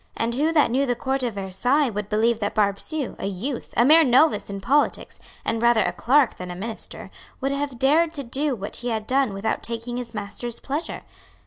And who that knew the Court of Versailles would believe that Barbesieux, a youth, a mere novice in politics, and rather a clerk than a minister, would have dared to do what he had done without taking his master's pleasure?